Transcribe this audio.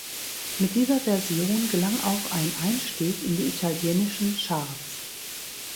Mit dieser Version gelang auch ein Einstieg in die italienischen Charts.